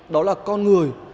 đó là con người